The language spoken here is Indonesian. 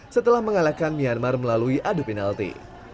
setelah mengalahkan myanmar melalui adu penalti